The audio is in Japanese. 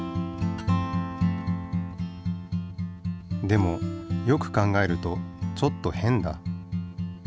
でもよく考えるとちょっと変だ。